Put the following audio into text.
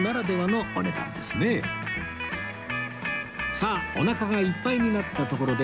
さあおなかがいっぱいになったところで